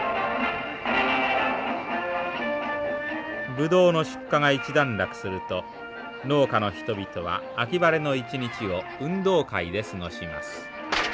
ブドウの出荷が一段落すると農家の人々は秋晴れの一日を運動会で過ごします。